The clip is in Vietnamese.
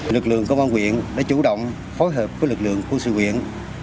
lực lượng công an huyện đã chủ động phối hợp với lực lượng khu sự huyện